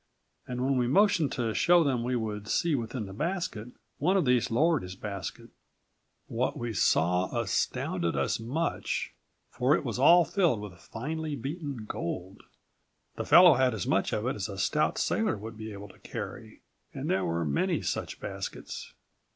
And, when we motioned to show them we would see within his basket, one of these lowered his basket.120 "What we saw astounded us much, for it was all filled with finely beaten gold. The fellow had as much of it as a stout sailor would be able to carry. And there were many such baskets.